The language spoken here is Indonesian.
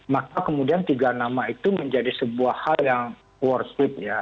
maka kemudian tiga nama itu menjadi sebuah hal yang worth it ya